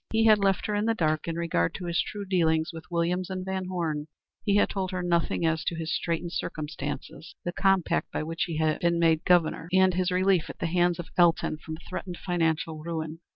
He had left her in the dark in regard to his true dealings with Williams & Van Horne; he had told her nothing as to his straitened circumstances, the compact by which he had been made Governor, and his relief at the hands of Elton from threatened financial ruin.